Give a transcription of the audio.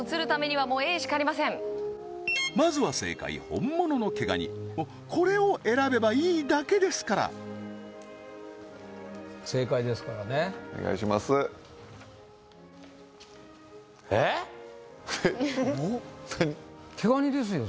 もうまずは正解本物の毛ガニこれを選べばいいだけですから正解ですからねお願いします毛ガニですよ